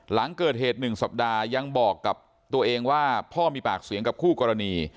หลังเกิดเหตุ๑สัปดาห์ยังบอกกับตัวเองว่าพ่อมีปากเสียงกับคู่กรณี